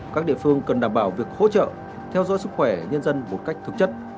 các địa phương cần đảm bảo việc hỗ trợ theo dõi sức khỏe nhân dân một cách thực chất